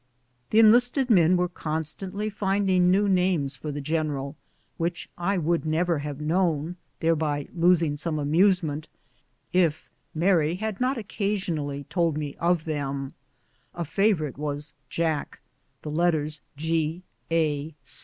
The enlisted men were constantly finding new names SEPARATION AND REUNION. 93 for the general, which I would never have known — thereby losing some amusement — if Mary had not occa sionally told me of them. A favorite was " Jack," the letters G. A.